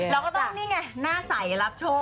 เราก็ต้องนี่ไงหน้าใสรับโชค